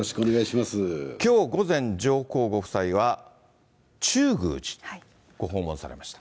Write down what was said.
きょう午前、上皇ご夫妻は中宮寺、ご訪問されました。